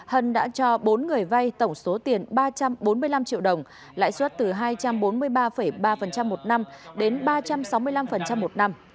hân đã cho bốn người vay tổng số tiền ba trăm bốn mươi năm triệu đồng lãi suất từ hai trăm bốn mươi ba ba một năm đến ba trăm sáu mươi năm một năm